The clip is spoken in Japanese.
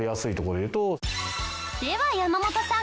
では山本さん。